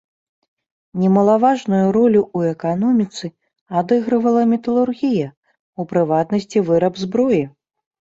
Немалаважную ролю ў эканоміцы адыгрывала металургія, у прыватнасці выраб зброі.